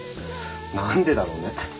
何でだろうね。